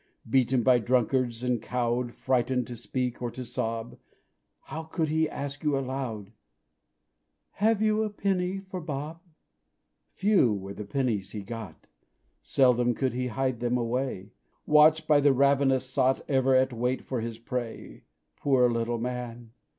Beaten by drunkards and cowed Frightened to speak or to sob How could he ask you aloud, "Have you a penny for Bob?" Few were the pennies he got Seldom could hide them away, Watched by the ravenous sot Ever at wait for his prey. Poor little man!